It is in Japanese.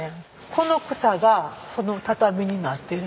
この草がその畳になってる。